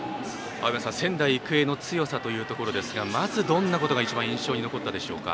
仙台育英の強さというところまず、どんなところが一番印象に残ったでしょうか。